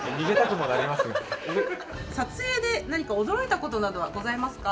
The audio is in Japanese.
撮影で何か驚いたことなどはございますか？